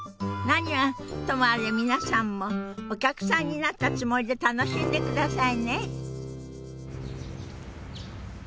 何はともあれ皆さんもお客さんになったつもりで楽しんでくださいね。